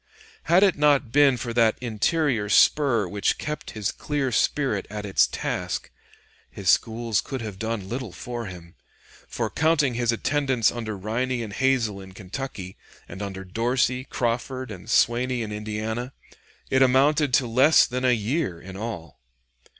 Had it not been for that interior spur which kept his clear spirit at its task, his schools could have done little for him; for, counting his attendance under Riney and Hazel in Kentucky, and under Dorsey, Crawford, and Swaney in Indiana, it amounted to less than a year in all.